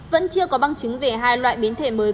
vẫn chưa có băng chứng về hai loại biến thể mới